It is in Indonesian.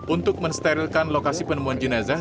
untuk mensterilkan lokasi penemuan jenazah